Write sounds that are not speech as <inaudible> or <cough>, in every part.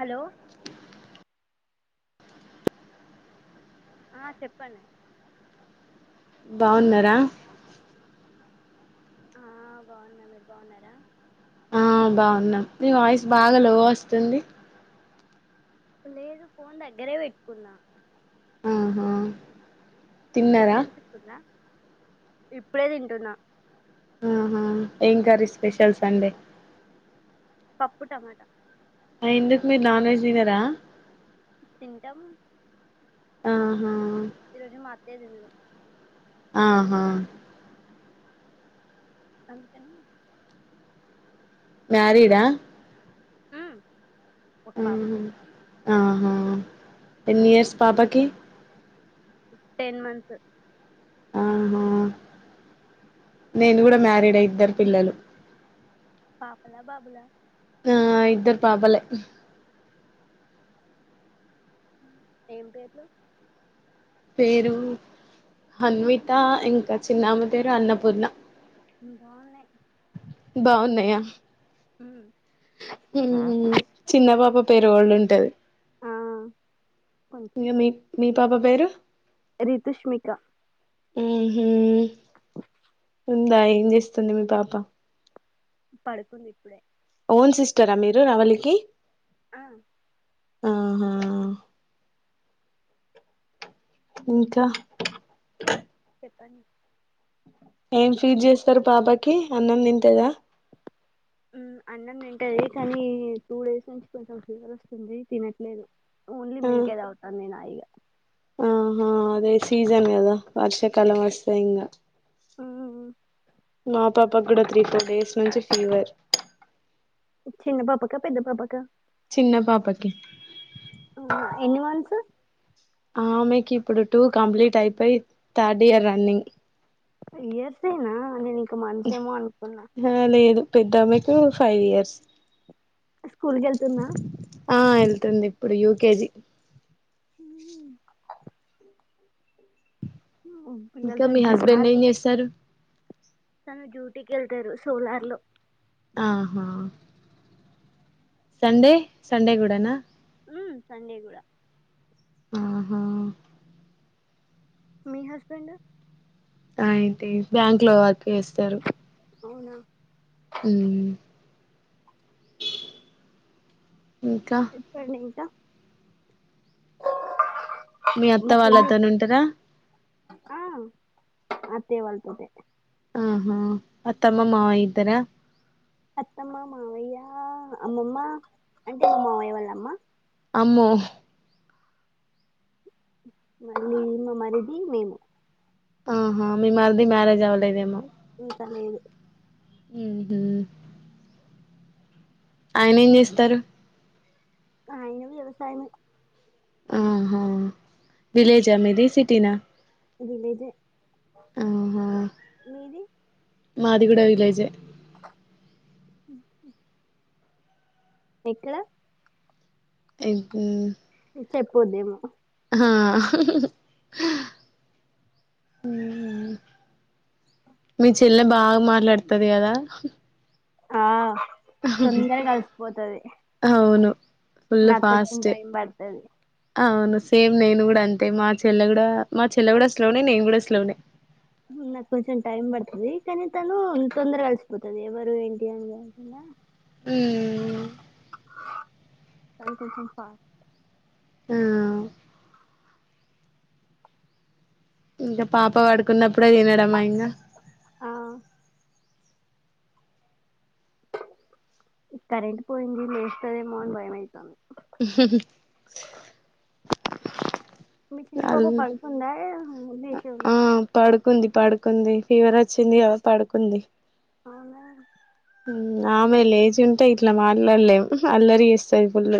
Hello ఆ చెప్పండి బాగున్నరా బాగున్నా మీరు బాగున్నారా ఆ బాగున్నాం నీ వాయిస్ బాగా లో వస్తుంది లేదు ఫోన్ దగ్గరే పెట్టుకున్నా ఆహా ఇప్పుడు తిన్నారా ఇనిపిస్తుందా ఇప్పుడే తింటున్న ఆహ ఏం కర్రి స్పెషల్ సండే పప్పు టమాటా ఆ ఎందుకు మీరు నాన్ వెజ్ తినరా? తింటం ఆహా ఈరోజు మా అత్తయ్య తినదు ఆహా అందుకనీ మ్యారీడా ఒకపాప ఆహా ఆహా ఎన్ని మీరు ఇయర్స్ పాపకి టెన్ మంత్స్ ఆహా నేను కూడా మ్యారీడే ఇద్దరు పిల్లలు పాపలా బాబులా ఆ ఇద్దరు పాపలేె ఏం పేర్లు పేరు అన్విత ఇంకా చిన్నామ పేరు అన్నపూర్ణ బాగున్నయ్ బాగున్నాయా మ్మ్ మ్మ్ చిన్న పాప పేరు ఓల్డ్ ఉంటది ఆ కొంచెం ఇంకా మీ పాప పేరు రితుష్మిక మ్మ్ ఉ ఉందా ఏం చేస్తుంది మీ పాప పడుకుంది ఇప్పుడే ఓన్ సిస్టరా మీరు రవలికి ఆ ఆహా ఇంకా చెప్పండి ఏం ఫీడ్ చేస్తారు పాపకి అన్నం తింతాదా ఊ అన్నం తింటది కానీ టూ డేస్ నుంచి కొంచం ఫీవర్ వస్తుంది తినట్లేదు ఓన్లీ ఆ మిల్కే తాగుతా నేను ఆ ఇగ ఆహా అదే సీజన్ కదా వర్షకాలం వస్తే ఇంగా ఉ ఊ ఊ మా పాపకు కూడా త్రీ ఫోర్ డేస్ నుంచి ఫీవర్ చిన్న పాపకా పెద్ద పాపకా చిన్న పాపకి ఉమ్మ్ ఎన్ని మంత్స్ ఆమెకి ఇప్పుడు టూ కంప్లీట్ అయిపోయి థర్డ్ ఇయర్ రన్నింగ్ ఇయర్సేనా నేను ఇక మంత్స్ ఏమో అనుకున్నా హా లేదు పెద్దామెకు ఫైవ్ ఇయర్స్ స్కూల్కెళ్తున్నా ఆ ఎళ్తుంది ఇప్పుడు యూ కే జీ ఇంకా మీ హస్బెండ్ ఏం <unintelligible> చేస్తారు తను డ్యూటీకెళ్తారు సోలార్ లో ఆహా సండే సండే కూడా నా ఉమ్ సండే కూడా ఆహా మీ హస్బెండు ఐ టీ బ్యాంక్ లో వర్క్ చేస్తారు అవునా ఉమ్మ్ ఇంకా చెప్పండి ఇంకా మీ అత్త మా చెల్లి వాళ్ళతోనే ఉంటరా ఆ అత్తయ్య వాళ్ళతోటే ఆహా అత్తమ్మ మామయ్య ఇద్దరా అత్తమ్మ మావయ్య అమ్మమ్మ అంటే మావయ్య వాళ్ళ అమ్మ అమ్మో మళ్ళీ ఇంకో మరిది మేము ఆహా మీ మరిది మ్యారేజ్ అవ్వలేదేమో ఇంకా లేదు ఊహూ ఆయన ఏం చేస్తారు ఆయనవీ వ్యవసాయమే ఆహా విలేజ్ అ మీది సిటీ నా విలేజే ఆహా మీది మాది గూడ విలేజ్ యే <inaudible> ఎక్కడ <unintelligible> చెప్పొద్దేమో ఆ మీ చెల్లె బాగా మాట్లాడ్తది కదా ఆ తొందర కలిసిపోతది అవును ఫుల్ నాకు కొంచం ఫాస్ట్ టైం పడుతది అవును సేమ్ నేను కూడా అంతే మా చెల్లె కూడా మా చెల్లె కూడా స్లోనే నేను కూడా స్లోనే నాకు కొంచెం టైమ్ పడుతది కానీ తను తొందర అలసిపోతుది ఎవరు ఏంటి అని నా ఉమ్ దానికి కొంచెం ఉమ్ ఇంకా పాప పడుకున్నప్పుడే తినడమ్మా ఇంకా ఆ కరెంట్ పోయింది లేస్తదేమో అన్ని భయమైతుంది మీ చిన్న పాప అల్ పడుకుందా లేచే ఆ ఉందా పడుకుంది పడుకుంది ఫీవర్ వచ్చింది కదా పడుకుంది అవునా ఆమె లేచి ఉంటే ఇట్లా మాట్లాడలేం అల్లరి చేస్తది ఫుల్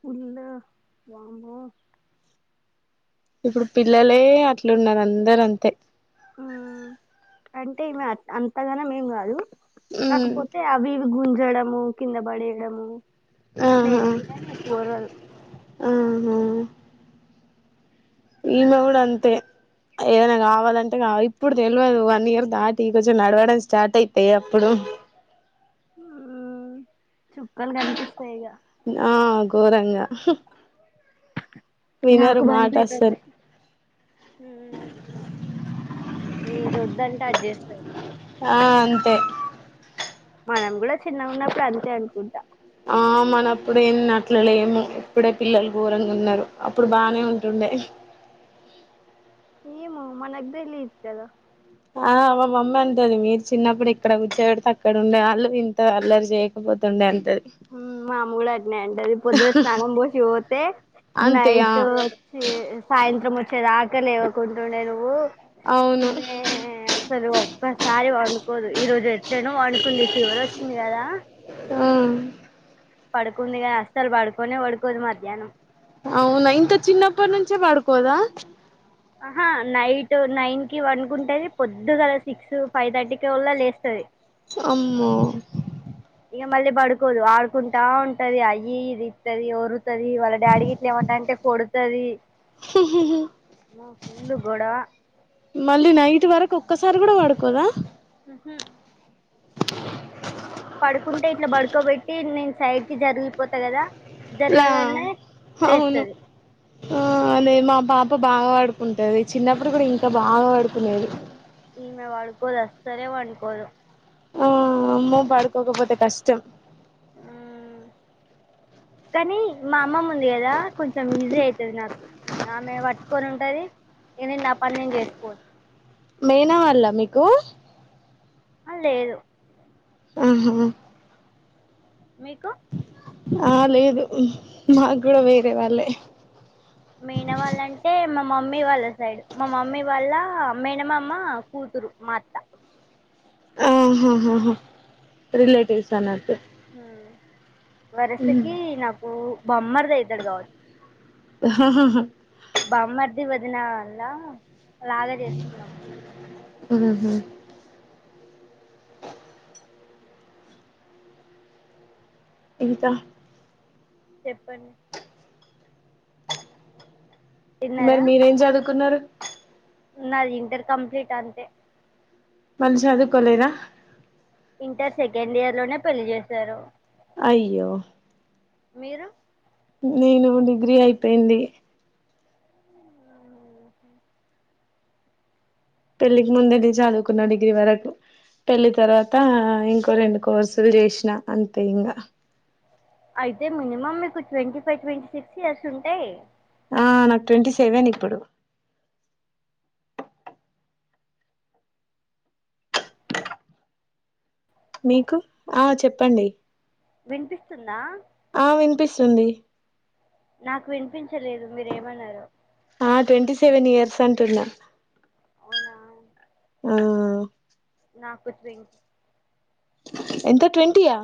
ఫుల్లు ఆ వామ్మో ఇప్పుడు పిల్లలే అట్లున్నారు అందరంతే అంటే ఈమె అంతగాన మేం కాదు కాకపోతే అవి గుంజడము కింద పడేయడము అట్లా చేస్తది కానీ ఎక్కువ ఏం ఓర్రదు ఆహ ఈమె గూడ అంతే ఏదైనా కావాలంటే కావాలి ఇప్పుడు తెల్వదు వన్ ఇయర్ దాటి కొంచెం నడవడం స్టార్ట్ అయితే అప్పుడు ఉ చుక్కాలు కనిపిస్తాయి ఇగ ఆ గోరంగా నాకు భయం మాట ఐతాంది అస్సలు ఉ ఏది వద్దంటే అది చేస్తదీ ఆ అంతే మనం గూడా చిన్నగున్నపుడు అంతే అనుకుంట ఆ మనప్పుడు ఏన్న అట్లలేము ఇప్పుడే పిల్లలు ఘోరంగా ఉన్నారు అప్పుడు బానే ఉంటుండే ఏమో మనగ్దలిద్ కదా ఆ అ మమ్మి అంటది మీరు చిన్నప్పుడు ఇక్కడ కూర్చోబడితే అక్కడ ఉండే వాళ్ళు ఇంత అల్లరి చేయ బోతుండె అంటది మామూలు అట్నే అంటది పొద్దున స్నానం పోతే అంతే ఆ నైట్ సాయంత్రం వచ్చేదాకా లేవ్వకుంటుండే నువ్వు అవును ఈమె అసలు ఒక్కసారి పడుకోదు ఈ రోజు ఎట్లేనో పండుకుంది ఫీవర్ వచ్చింది కదా ఉమ్ పడుకుందిగా అసలు పడుకోనే పడుకోదు మధ్యాహ్నం అవునా ఇంత చిన్నప్పటి నుంచే పడుకోదా ఆహా నైట్ నైన్కి వన్కుంటేది పొద్దుల సిక్స్ ఫైవ్ థర్టీ కవోల్ల లేస్తది ఆమ్మో ఇక మళ్ళీ పడుకోదు ఆడుకుంటా ఉంటది అయి ఇయి ఇస్తది వోరుతది వాళ్ళ డాడీ ఇట్లా ఏమనంటే కొడు తది ఫుల్ గొడవ, మళ్ళీ నైట్ వరకు ఒక్కసారి కూడా వాడుకోద ఆహా పడుకుంటే ఇట్లా పడుకోబెట్టి నేను సైడ్కిి జరిగిపోతా కదా లా జరగగానే అవును లేస్తది ఆ అదే మా పాప బాగ పడుకుంటది చిన్నప్పుడు కూడా ఇంకా బాగా వాడుకునేది ఈమె పడుకోదు అసలే <unintelligible> డుకోదు ఆ అమ్మో పాడుకోకపోతే కష్టం ఉమ్ కానీ మా అమ్మమ ఉంది కదా కొంచెం ఈజీ అవుతుది నాకు ఆమె పట్టుకొని ఉంటది ఏండి నా పని నేను చేసుకో మెనా వాళ్ళ మీకు ఆ లేదు ఆహా మీకు ఆ లే లేదు మాకు కూడ వేరే వాళ్ళే మేన వాళ్ళంటే మా మమ్మీ వాళ్ళ సైడ్ మా మమ్మీ వాళ్ళ మేనమామ్మ కూతురు మ అత్త ఆహ రిలేటివ్స్ అన్నట్టు వరుసకి నాకు బొమ్మర్దితాడు <unintelligible> ాాహ హా బామ్మర్ది వదిన వల్ల లాగ చేస్తున్నాం ఆహా ఇంక చెప్పండి మరి తిన్నారా మీరేం చదువుకున్నారు నది ఇంటర్ కంప్లీట్ అంతే <unintelligible> చదువుకోలేద ఇంటర్ సెకండ్ ఇయర్ లోనే పెళ్లి చేసారు అయ్యే మీరు నేను డిగ్రీ అయిపోయింది పెళ్లికి ముందనేే చదువుకున్న డిగ్రీ వరకు పెళ్ళి తర్వాత ఇంకో రెండు కోర్సులు చేసిన అంతే ఇంగ అయితే మినిమమ్ మీకు twenty five twenty six years ఉంటాయ్ ఆ నాకు ట్వంటీ సెవెన్ ఇప్పుడు మీకు ఆ చెప్పండి వినిపిస్తుంద ఆ వినిపిస్తుంది నాకు వినిపించలేదు మీర ఏమన్నారో ఆ ట్వంటీ సెవెన్ ఇయర్స్ అంటున్న అవునా ఆ నాకు <unintelligible> ఎంత ట్వంటీయా?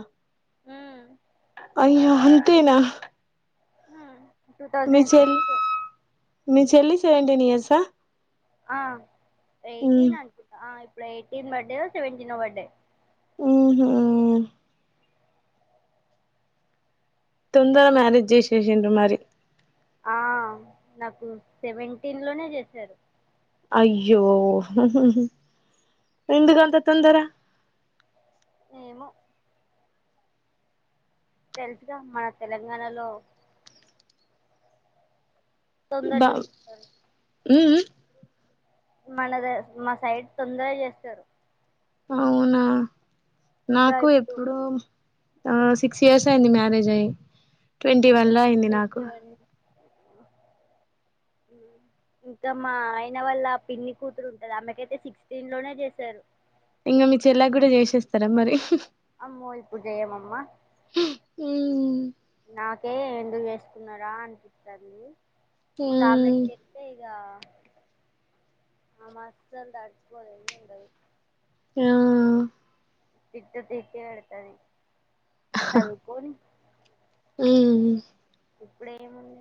హలో అయ్యో అంతేనా? హ మీ చెల్ మీ చెల్లి సెవెంటీన్ ఇయర్సా? ఆ మ్మ్ ఎయిటీన్ అనుకుంటా ఇప్పుడు ఎయిటీన్ బర్త్డే సెవెంటీన్ బర్త్డే. ఓహో తొందర మ్యారేజ్ చేసేసిండు మరి ఆ నాకు సెవెంటీన్ లోనే చేశారు. అయ్యో! ఎందుకు అంత తొందర? ఏమో తెలుసుగా మన తెలంగాణలో తొందర బా మ్ చేసేస్తారు మ్ హు మనద మా సైడ్ తొందరగా చేస్తారు. అవునా ఇంకా నాకు ఇప్పుడు ఎప్పుడో సిక్స్ ఇయర్స్ అయింది మ్యారేజ్ అయ్యి ట్వంటీ అంటే వన్ లో అయింది నాకు. ట్వంటీ వన్ ఇంకా మా ఆయన వల్ల పిన్ని కూతురు ఉంటాది ఆమెకైతే సిక్స్టీన్ లోనే చేశారు. ఇంగ మీ చెల్లకి కూడా చేసేస్తారా మరి? హ్ హి హ్ హి అమ్మో ఇపుడు చేయము అమ్మా హ్మ్. నాకే ఎందుకు చేసుకున్నారా అనిపిస్తాది హ్మ్. ఇంకామెకి అంటే ఇగ ఆ మాత్రం దాటి పోలేదు ఇగ ఆ తిట్ట జి. కె అయితాది చదువుకోని. మ్ ఇప్పుడేముంది?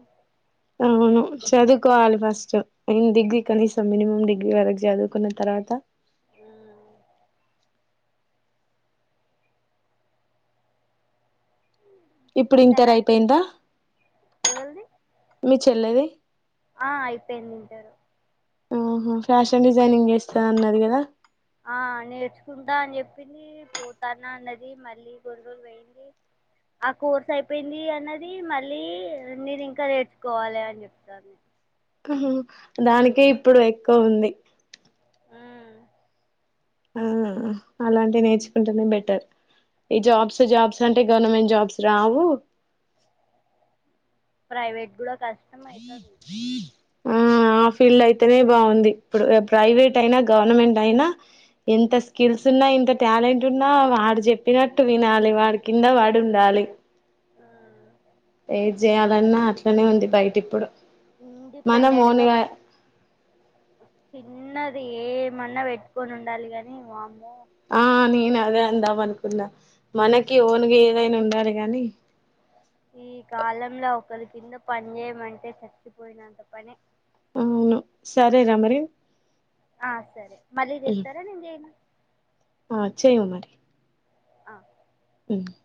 అవును సెవెన్ చదువుకోవాలి ఫస్ట్. నేను డిగ్రీ కనీసం మినిమమ్ డిగ్రీ వరకు చదువుకున్న తర్వాత మ్ ఇప్పుడు ఇంటర్ తిన్నారా అయిపోయిందా ఎవరిది మీ చెల్లెది. ఆ అయిపోయింది ఇంటర్. ఆహా! ఫ్యాషన్ డిజైనింగ్ చేస్తాను అన్నది కదా? ఆ నేర్చుకుంటా అని చెప్పింది, పోతాన్నా అన్నది మళ్ళీ కొన్ని రోజలు పోయింది. ఆ కోర్స్ అయిపోయింది అన్నది మళ్ళీ నేను ఇంకా నేర్చుకోవాలి అని చెప్తాంది. హ్ హు దానికే ఇప్పుడు ఎక్కువ ఉంది. మ్ ఆ అలాంటివి నేర్చుకుంటునే బెటర్ ఈ జాబ్స్ జాబ్స్ అంటే గవర్నమెంట్ జాబ్స్ రావు ప్రైవేట్ కూడా కష్టం అయితాంది. ఆ ఆ ఫీల్డ్ అయితేనే బాగుంది ఇప్పుడు ప్రైవేట్ అయినా, గవర్నమెంట్ అయినా ఎంత స్కిల్స్ ఉన్నా, ఎంత టాలెంట్ ఉన్నా వాడు చెప్పినట్టు వినాలి. వాడి కింద పడుండాలి. మ్ ఏది చేయాలన్నా అట్లనే ఉంది బయట ఇప్పుడు మనం ఇండిపెండెంట్ గా ఓన్గా చిన్నది ఏమన్నా పెట్టుకొని ఉండాలి గాని వామ్మో ఆ నేను అదే అందాం అనుకున్నా మనకి ఓనుగా ఏదైనా ఉండాల గాని ఈ కాలంలో ఒకరి కింద పని చేయమంటే చచ్చిపోయినంత పని అవును సరే ర మరి ఆ సరే మళ్ళీ చేస్తారా నేను చేయనా ఆ చెయ్యవు మరి ఆ అ